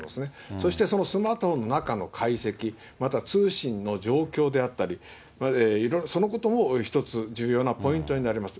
そして、そのスマートフォンの中の解析、まずは通信の状況であったり、そのことも一つ、重要なポイントになります。